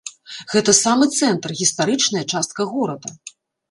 Гэта самы цэнтр, гістарычная частка горада.